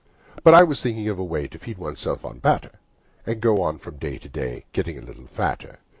But I was thinking of a way To feed oneself on batter, And so go on from day to day ' Getting a little fatter.